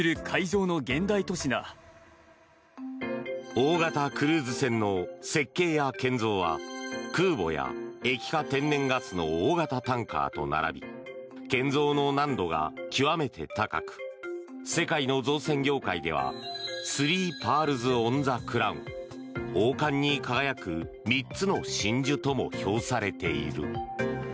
大型クルーズ船の設計や建造は空母や、液化天然ガスの大型タンカーと並び建造の難度が極めて高く世界の造船業界ではスリー・パールズ・オン・ザ・クラウン王冠に輝く３つの真珠とも評されている。